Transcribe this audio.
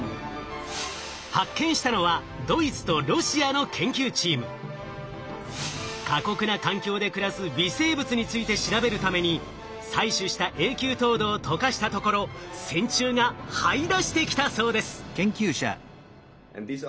発見したのは過酷な環境で暮らす微生物について調べるために採取した永久凍土を解かしたところ線虫がはい出してきたそうです。